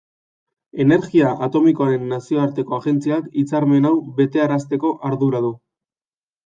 Energia Atomikoaren Nazioarteko Agentziak hitzarmen hau betearazteko ardura du.